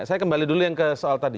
saya kembali dulu yang ke soal tadi